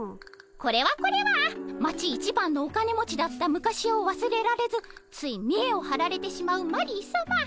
これはこれは町一番のお金持ちだった昔をわすれられずついみえをはられてしまうマリーさま。